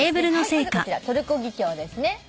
まずこちらトルコギキョウですね。